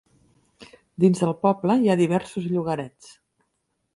Dins el poble hi ha diversos llogarets.